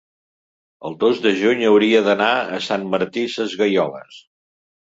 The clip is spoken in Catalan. el dos de juny hauria d'anar a Sant Martí Sesgueioles.